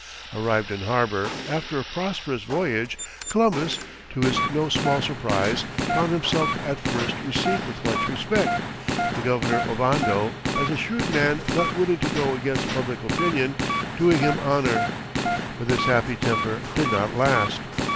Arrived in harbour, after a prosperous voyage, Columbus, to his no small surprise, found himself at first received with much respect, the governor Ovando, as a shrewd man not willing to go against public opinion, doing him honour. But this happy temper did not last.